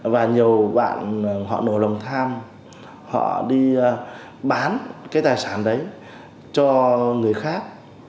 và nhiều bạn họ nổ lòng tham họ đi bán cái tài sản đấy cho người khác